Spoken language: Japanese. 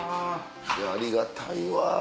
ありがたいわ！